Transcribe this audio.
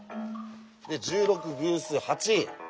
で１６偶数８。